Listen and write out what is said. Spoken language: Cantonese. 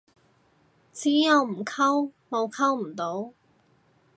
只有唔溝，冇溝唔到